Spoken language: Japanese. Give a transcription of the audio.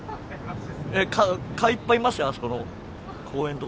蚊いっぱいいますよ、あそこの公園の所。